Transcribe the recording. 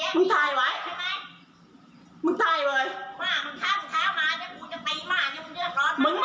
คุณแยกว่